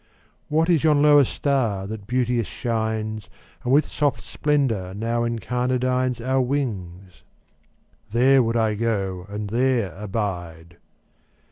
What is yon lower star that beauteous shines And with soft splendor now incarnadines Our wings? There would I go and there abide."